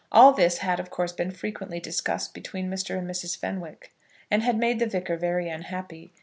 All this had of course been frequently discussed between Mr. and Mrs. Fenwick, and had made the Vicar very unhappy.